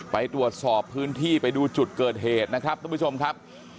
ไปตรวจสอบพื้นที่ไปดูจุดเกิดเหตุนะครับทุกผู้ชมครับ